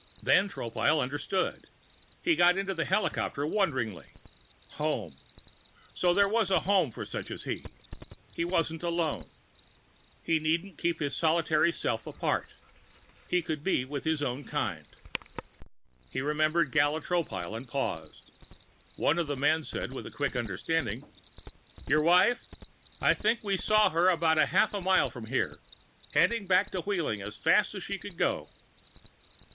Then Tropile understood. He got into the helicopter wonderingly. Home. So there was a home for such as he. He wasn't alone. He needn't keep his solitary self apart. He could be with his own kind. He remembered Gala Tropile and paused. One of the men said with quick understanding: "Your wife? I think we saw her about half a mile from here. Heading back to Wheeling as fast as she could go."